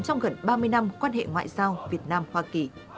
trong gần ba mươi năm quan hệ ngoại giao việt nam hoa kỳ